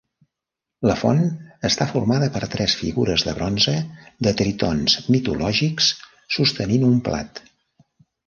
La font està formada per tres figures de bronze de tritons mitològics sostenint un plat.